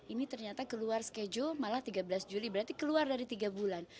ini ternyata keluar schedule malah tiga belas juli berarti keluar dari tiga bulan